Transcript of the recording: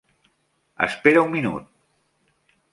Espera un minut.